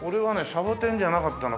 サボテンじゃなかったな。